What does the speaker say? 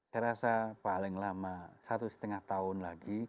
saya rasa paling lama satu setengah tahun lagi